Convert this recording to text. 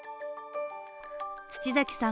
土崎さん